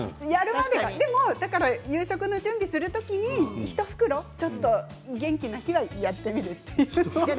でも夕食の準備をするときに１袋ちょっと、元気な日はやってみるというのはね。